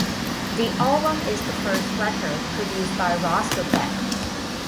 The album is the first record produced by Roscoe Beck.